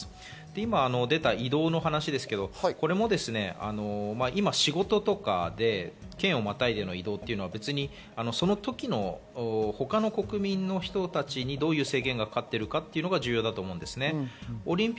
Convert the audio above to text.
今、出た移動の話ですけど、今仕事とかで県をまたいでの移動っていうのは別に、その時に他の国民の人たちに、どういう制限がかかってるかっていうのが重要だと思います。